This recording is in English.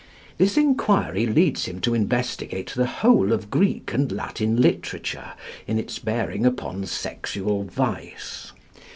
This enquiry leads him to investigate the whole of Greek and Latin literature in its bearing upon sexual vice.